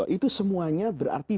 itu semuanya berarti